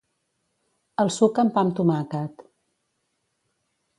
El suca amb pa amb tomàquet.